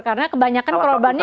karena kebanyakan korbannya